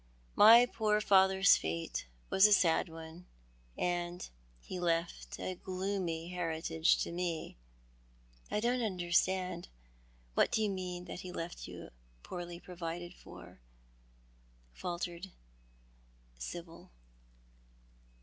My poor fathers fate was a sad one— and he left a glcomy heritage to me." " I don't understand— do you mean that lie left you poorly provided for?" faltered Sibyl.